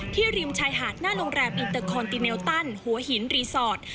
ริมชายหาดหน้าโรงแรมอินเตอร์คอนติเมลตันหัวหินรีสอร์ท